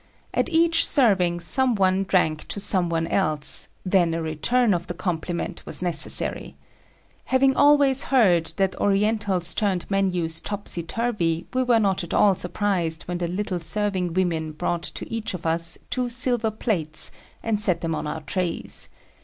At each serving some one drank to some one else, then a return of the compliment was necessary. Having always heard that Orientals turned menus topsy turvy we were not at all surprised when the little serving women brought to each of us two silver plates and set them on our trays.